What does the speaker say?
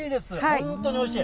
本当においしい。